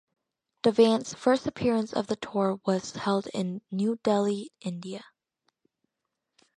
The band's first appearance of the tour was held in New Delhi, India.